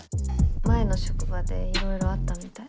前の職場でいろいろあったみたい。